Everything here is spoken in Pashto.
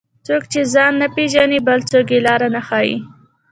څوک چې ځان نه پیژني، بل څوک یې لار نه ښيي.